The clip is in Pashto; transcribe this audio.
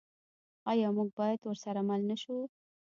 آیا موږ باید ورسره مل نشو؟